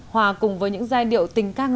hòa cùng với những giai điệu tình ca ngọt ngào